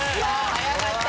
早かった。